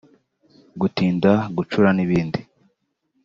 gutinda gucura n’ibindi